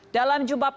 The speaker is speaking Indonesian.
dalam jumlah pencarian